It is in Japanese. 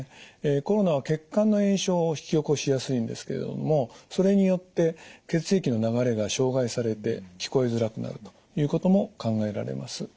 コロナは血管の炎症を引き起こしやすいんですけれどもそれによって血液の流れが障害されて聞こえづらくなるということも考えられます。